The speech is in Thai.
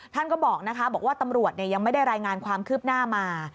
ท่านก็บอกนะคะบอกว่าตำรวจยังไม่ได้รายงานความคืบหน้ามา